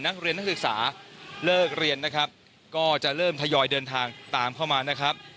นักเรียนนักศึกษาเลิกเรียนก็จะเริ่มทยอยเดินทางตามเข้ามา